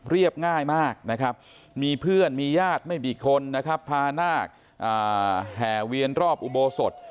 เรียบง่ายมากมีเพื่อนมีญาติไม่มีคนผ่านหน้าแหงเวียนรอบอุโบสด